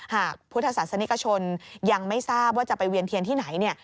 หากพุทธศาสนิกชนยังไม่ทราบว่าจะไปเวียนเทียนที่ไหน